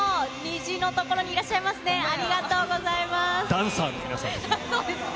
ダンサーの皆さんですね。